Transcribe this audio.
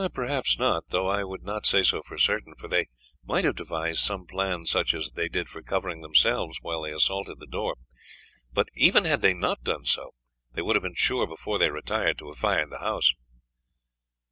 "Perhaps not, though I would not say so for certain, for they might have devised some plan such as they did for covering themselves while they assaulted the door. But even had they not done so they would have been sure before they retired to have fired the house."